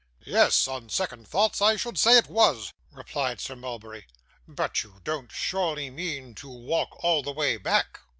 'Yes, on second thoughts I should say it was,' replied Sir Mulberry. 'But you don't surely mean to walk all the way back?